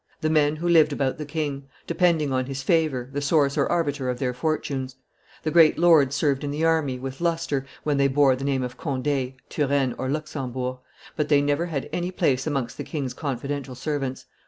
The men who lived about the king, depending on, his favor, the source or arbiter of their fortunes. The great lords served in the army, with lustre, when they bore the name of Conde, Turenne, or Luxembourg; but they never had any place amongst the king's confidential servants.